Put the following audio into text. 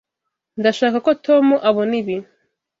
Ndashaka ko Tom abona ibi.